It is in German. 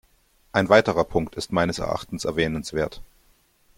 Ein weiterer Punkt ist meines Erachtens erwähnenswert.